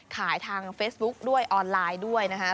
ทางเฟซบุ๊กด้วยออนไลน์ด้วยนะคะ